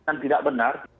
yang tidak benar